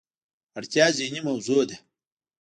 اړتیا ذهني موضوع ده.